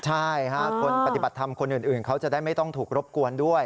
ใช่คนปฏิบัติธรรมคนอื่นเขาจะได้ไม่ต้องถูกรบกวนด้วย